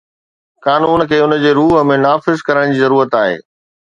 قانون کي ان جي روح ۾ نافذ ڪرڻ جي ضرورت آهي